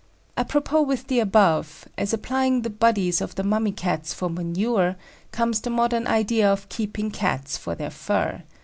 Apropos with the above, as applying the bodies of the mummy Cats for manure, comes the modern idea of keeping Cats for their fur.